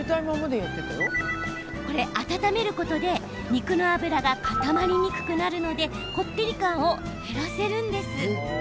温めることで肉の脂が固まりにくくなるのでこってり感を減らせるんです。